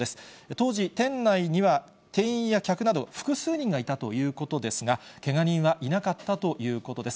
当時、店内には店員や客など複数人がいたということですが、けが人はいなかったということです。